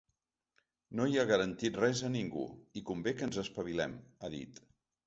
No hi ha garantit res a ningú, i convé que ens espavilem, ha dit.